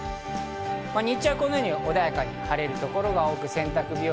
日中はこのように穏やかに晴れる所が多く洗濯日和。